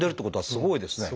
すごいですね。